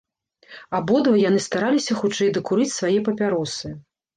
Абодва яны стараліся хутчэй дакурыць свае папяросы.